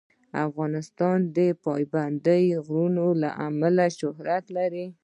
افغانستان د پابندی غرونه له امله شهرت لري.